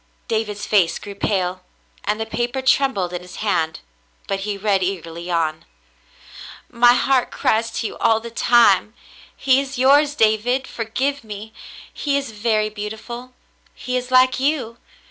David's face grew pale, and the paper trem bled in his hand, but he read eagerly on. " My heart cries to you all the time. He is yours, David; forgive me. He is very beautiful. He is like you.